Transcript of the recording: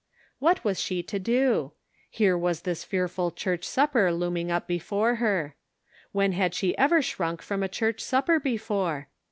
What was she to do ? Here was this fearful church supper looming up before her. When had she ever shrank from a church sup per before?